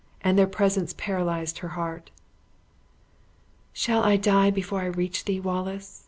and their presence paralyzed her heart. "Shall I die before I reach thee, Wallace?"